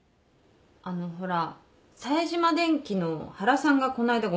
あのほら冴島電機の原さんがこないだご結婚されたんだけど。